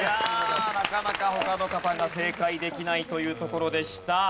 なかなか他の方が正解できないというところでした。